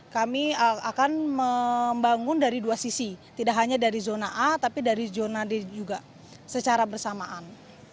kami akan membangun dari dua sisi tidak hanya dari zona a tapi dari zona d juga secara bersamaan